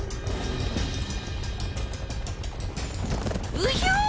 うひょ！